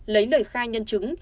lấy lời khai nhân dân